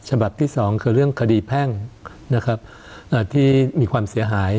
ฉบับที่สองคือเรื่องคดีแพ่งนะครับที่มีความเสียหาย